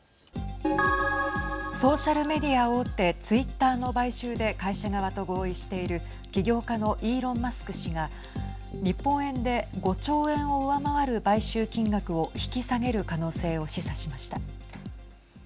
ソーシャルメディア大手ツイッターの買収で会社側と合意している起業家のイーロン・マスク氏が日本円で５兆円を上回る買収金額を引き下げる可能性を示唆しました。